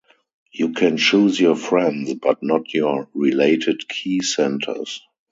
You can choose your friends, but not your related key centers.